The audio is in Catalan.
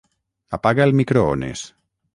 Apaga el microones.